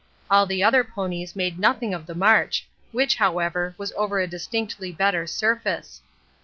All the other ponies made nothing of the march, which, however, was over a distinctly better surface.